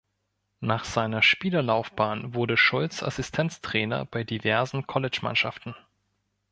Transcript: Nach seiner Spielerlaufbahn wurde Schulz Assistenztrainer bei diversen Collegemannschaften.